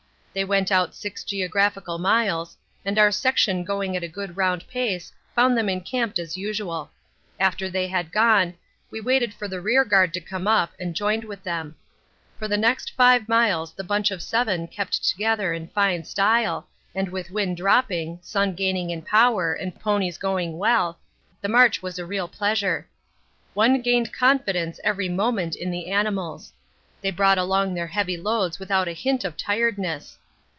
They went out six geographical miles, and our section going at a good round pace found them encamped as usual. After they had gone, we waited for the rearguard to come up and joined with them. For the next 5 miles the bunch of seven kept together in fine style, and with wind dropping, sun gaining in power, and ponies going well, the march was a real pleasure. One gained confidence every moment in the animals; they brought along their heavy loads without a hint of tiredness.